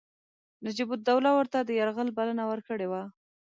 نجیب الدوله ورته د یرغل بلنه ورکړې وه.